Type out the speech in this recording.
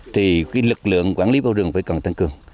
thì lực lượng quản lý bầu rừng phải cần tăng cường